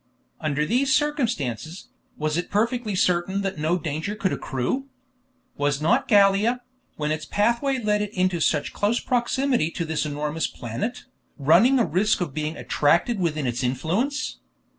Under these circumstances, was it perfectly certain that no danger could accrue? Was not Gallia, when its pathway led it into such close proximity to this enormous planet, running a risk of being attracted within its influence?